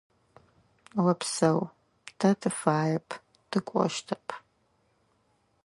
Опсэу, тэ тыфаеп, тыкӏощтэп.